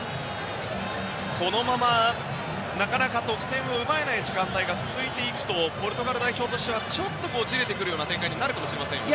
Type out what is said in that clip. このままなかなか得点を奪えない時間帯が続いていくとポルトガル代表としてはちょっとじれてくるような展開になるかもしれませんね。